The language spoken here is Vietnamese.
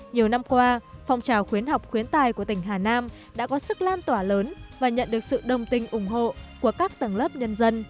nhiều năm qua phong trào khuyến học khuyến tài của tỉnh hà nam đã có sức lan tỏa lớn và nhận được sự đồng tình ủng hộ của các tầng lớp nhân dân